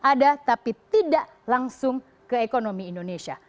ada tapi tidak langsung ke ekonomi indonesia